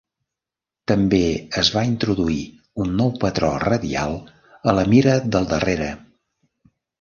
També es va introduir un nou patró radial a la mira del darrere.